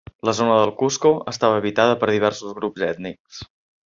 La zona del Cusco estava habitada per diversos grups ètnics.